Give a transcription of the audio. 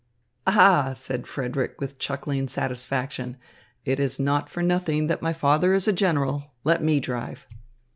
"Ah," said Frederick with chuckling satisfaction, "it is not for nothing that my father is a general. Let me drive."